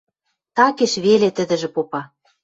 – Такеш веле... – тӹдӹжӹ попа.